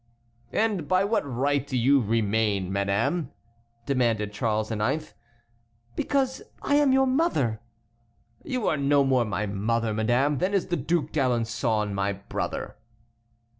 "And by what right do you remain, madame?" demanded Charles IX. "Because I am your mother." "You are no more my mother, madame, than is the Duc d'Alençon my brother."